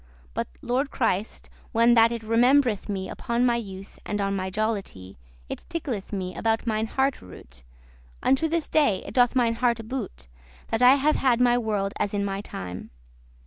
But, lord Christ, when that it rememb'reth me Upon my youth, and on my jollity, It tickleth me about mine hearte root; Unto this day it doth mine hearte boot,* *good That I have had my world as in my time.